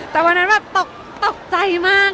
แต่วันนั้นโต๊กใจมาก